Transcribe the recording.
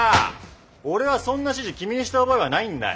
俺はそんな指示君にした覚えはないんだよ。